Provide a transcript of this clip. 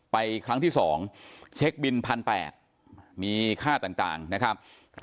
ครั้งที่๒เช็คบิน๑๘๐๐มีค่าต่างนะครับ